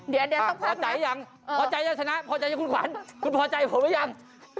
เดี๋ยวสักพักนะพอใจหรือยังพอใจนะชนะพอใจนะคุณขวัญคุณพอใจผมหรือยัง